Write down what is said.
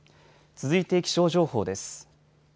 続いて気象情報です。